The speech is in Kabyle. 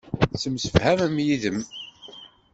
Ttemsefhamen yid-m.